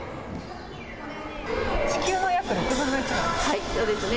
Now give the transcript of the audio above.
地球の約６分の１なんですね。